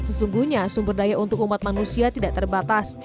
sesungguhnya sumber daya untuk umat manusia tidak terbatas